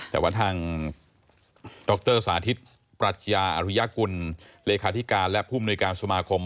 แต่ว่าทางดรสาธิตปรัชญาอรุยากุลเลขาธิการและผู้มนุยการสมาคม